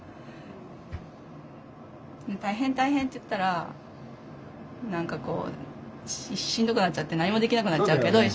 大変大変って言ったら何かこうしんどくなっちゃって何もできなくなっちゃうけど一緒に。